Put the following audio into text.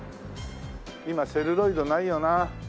今セルロイドないよな。